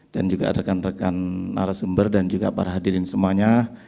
dan juga rekan rekan narasumber dan juga para hadirin semuanya